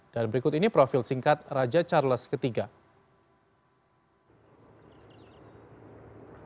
berikut ini profil singkat raja charles iii